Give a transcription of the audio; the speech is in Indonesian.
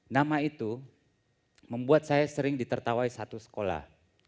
nama itu membuat saya sering ditertawai satu sekolah